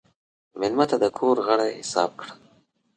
مېلمه ته د کور غړی حساب کړه.